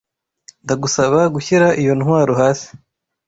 Ndagusaba gushyira iyo ntwaro hasi.